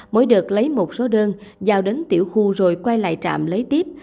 mỗi đợt lấy một số đơn giao đến tiểu khu rồi quay lại trạm lấy tiếp